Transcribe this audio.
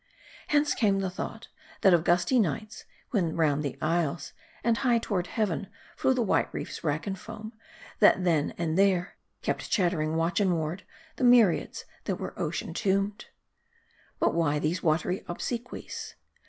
Hence came the thought, that of gusty nights, when round the isles, and M A R D I. 227 high toward heaven, flew tho white reef's rack and foam, that then and there, kept chattering watch and ward, the myriads that were ocean tombed. But why these watery obsequies